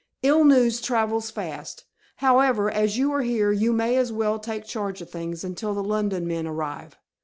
"Ill news travels fast. However, as you are here, you may as well take charge of things until the London men arrive."